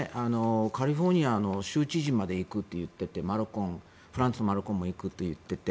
カリフォルニアの州知事まで行くと言っていてフランスのマクロンも行くといっていて。